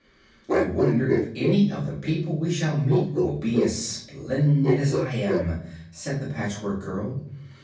"I wonder if any of the people we shall meet will be as splendid as I am," said the Patchwork Girl.